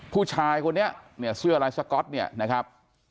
ผู้ชายคนนี้เสื้อลายสก๊อตนะครับ